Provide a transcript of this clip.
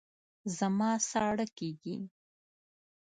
زما ساړه کېږي